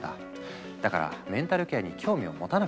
だからメンタルケアに興味をもたなかった。